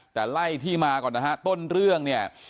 แต่ไล่ที่มาก่อนนะฮะต้นเรื่องเนี่ย